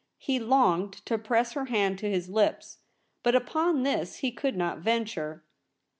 He longed to press her hand to his lips; but upon this he could not venture.